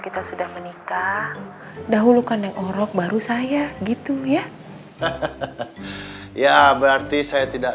kita sudah menikah dahulukan yang orok baru saya gitu ya ya berarti saya tidak